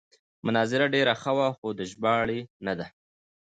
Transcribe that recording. مناظره ډېره ښه وه خو د ژباړې نه ده.